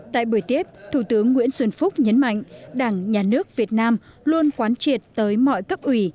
tại buổi tiếp thủ tướng nguyễn xuân phúc nhấn mạnh đảng nhà nước việt nam luôn quán triệt tới mọi cấp ủy